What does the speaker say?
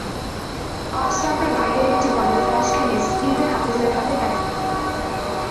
অফস্টাম্পের বাইরের একটি বলে ফ্ল্যাশ খেলে স্লিপে হাফিজের হাতে ক্যাচ দেন তিনি।